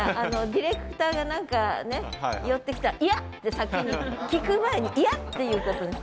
ディレクターが何かね寄ってきたら「嫌！」って先に聞く前に「嫌！」って言うことに。